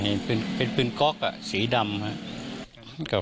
เห็นเป็นปืนก๊อกสีดำครับ